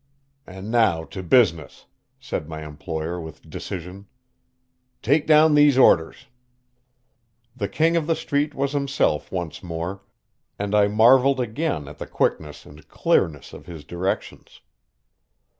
And now to business," said my employer with decision. "Take down these orders." The King of the Street was himself once more, and I marveled again at the quickness and clearness of his directions.